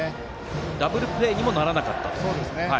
ダブルプレーにもならなかったと。